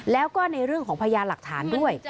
แล้วก็ในเรื่องของพยานหลักฐานด้วย